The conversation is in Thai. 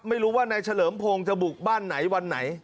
ไม่รู้ว่านายเฉลิมพงศ์จะบุกบ้านไหนวันไหน